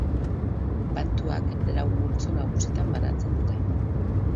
Bantuak lau multzo nagusitan banatzen dira.